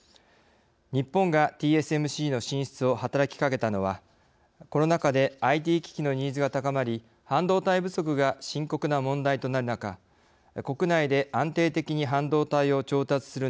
日本がＴＳＭＣの進出を働きかけたのはコロナ禍でＩＴ機器のニーズが高まり半導体不足が深刻な問題となる中国内で安定的に半導体を調達するねらいがあります。